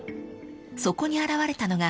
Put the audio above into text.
［そこに現れたのが］